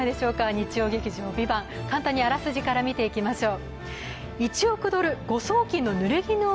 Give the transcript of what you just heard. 日曜劇場「ＶＩＶＡＮＴ」、簡単にあらすじから見ていきましょう。